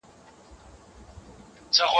په ځنگله كي سو دا يو سل سرى پاته